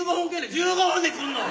１５分で来んの！？